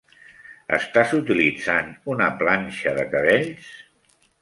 Estàs utilitzant una planxa de cabells?